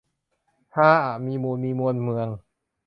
อาฮะ มีมูล มีมูลเมือง